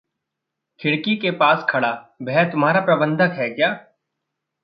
खिड़की के पास खड़ा वह तुम्हारा प्रबंधक है क्या?